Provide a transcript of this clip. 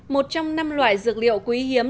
một trong năm loại dược liệu quý hiếm